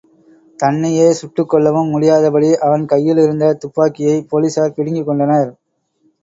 தன்னையே சுட்டுக்கொள்ளவும் முடியாதபடி அவன் கையிலிருந்த துப்பாக்கியை போலீஸார் பிடுங்கிக் கொண்டனர்.